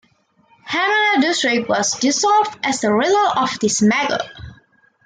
Hamana District was dissolved as a result of this merger.